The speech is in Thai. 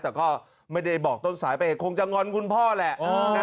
แต่ก็ไม่ได้บอกต้นสายไปคงจะงอนคุณพ่อแหละ